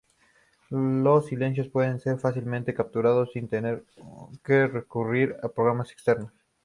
Los silencios pueden ser fácilmente capturados sin tener que recurrir a programas externos.